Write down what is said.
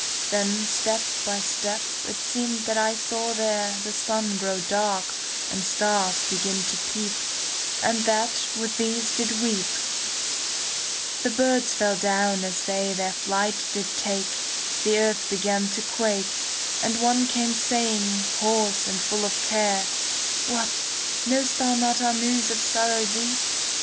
Then step by step it seemed that I saw there The sun grow dark, and stars begin to peep, ^ And that with these did weep: The birds fell down as they their flight did take ; The earth began to quake ; And one came saying, hoarse and full of care: 'What, know'st thou not our news of sorrow deep